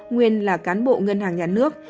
nguyên là cán bộ ngân hàng nhà nước